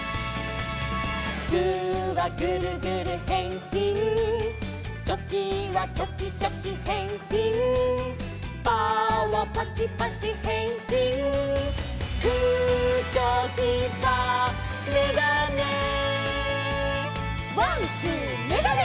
「グーはグルグルへんしん」「チョキはチョキチョキへんしん」「パーはパチパチへんしん」「グーチョキパーめがね」「ワンツーめがね！」